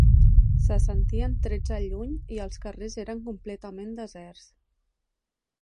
Se sentien trets al lluny i els carrers eren completament deserts